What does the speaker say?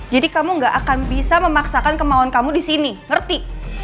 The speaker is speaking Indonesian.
jadi kamu gak akan bisa memaksakan kemauan kamu di sini ngerti